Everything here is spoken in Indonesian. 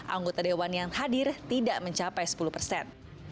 anggota dewan yang hadir tidak mencapai sepuluh persen